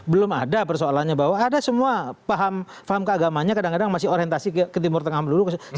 belum ada persoalannya bahwa ada semua paham keagamanya kadang kadang masih orientasi ke timur tengah dulu